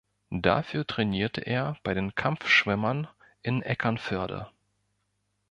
Dafür trainierte er bei den Kampfschwimmern in Eckernförde.